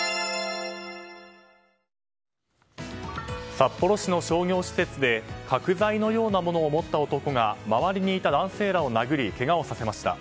札幌市の商業施設で角材のようなものを持った男が周りにいた男性らを殴りけがをさせました。